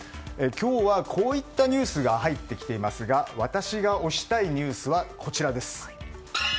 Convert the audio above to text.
今日はこういったニュースが入ってきていますが私が推したいニュースは、こちら。